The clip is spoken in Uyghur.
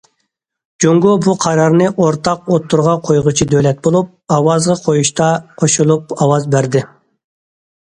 جۇڭگو بۇ قارارنى ئورتاق ئوتتۇرىغا قويغۇچى دۆلەت بولۇپ، ئاۋازغا قويۇشتا قوشۇلۇپ ئاۋاز بەردى.